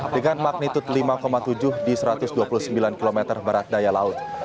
dengan magnitud lima tujuh di satu ratus dua puluh sembilan km barat daya laut